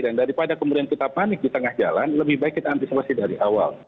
dan daripada kemudian kita panik di tengah jalan lebih baik kita antisipasi dari awal